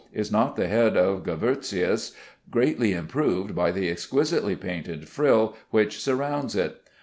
Is not the head of Gavartius greatly improved by the exquisitely painted frill which surrounds it?